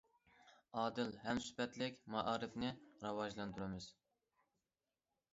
ئادىل ھەم سۈپەتلىك مائارىپنى راۋاجلاندۇرىمىز.